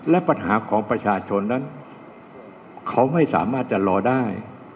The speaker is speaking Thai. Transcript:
และปัญหาของประชาชนนั้นเขาไม่สามารถจะรอได้